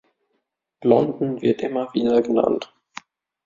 London wird immer wieder genannt.